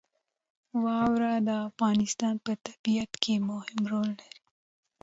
واوره د افغانستان په طبیعت کې مهم رول لري.